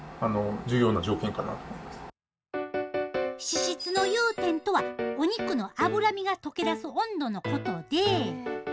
脂質の融点とはお肉の脂身がとけだす温度のことで。